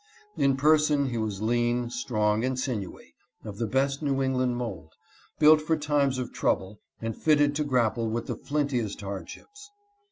In person he was lean, strong, and sinewy, of the best New England mold, built for times of trouble and fitted to grapple with the flintiest hardships.